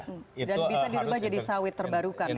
dan bisa diubah jadi sawit terbarukan